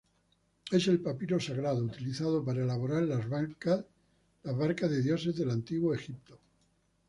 Es el papiro sagrado, utilizado para elaborar las barcas de dioses del Antiguo Egipto.